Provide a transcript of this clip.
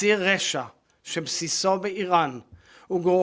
yang kita lihat sebagai rakyat dan negara